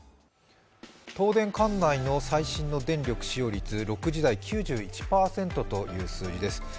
東電管内の最新の電力使用率６時台は９１％という数字です。